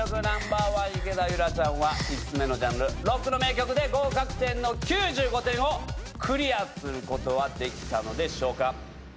ナンバーワン池田裕楽ちゃんは５つ目のジャンルロックの名曲で合格点の９５点をクリアすることはできたのでしょうか。